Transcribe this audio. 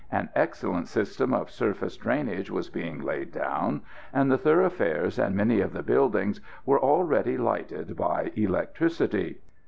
An excellent system of surface drainage was being laid down, and the thoroughfares and many of the buildings were already lighted by electricity.